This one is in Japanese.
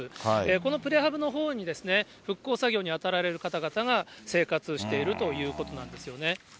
このプレハブのほうに復興作業に当たられる方々が生活しているということなんですよね。